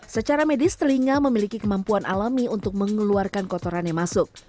secara medis telinga memiliki kemampuan alami untuk mengeluarkan kotoran yang masuk